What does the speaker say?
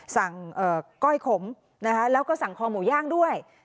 สั่งก้อยขมแล้วก็สั่งคอหมูย่างด้วย